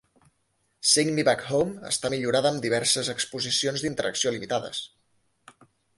"Sing Me Back Home" està millorada amb diverses exposicions d'interacció limitades.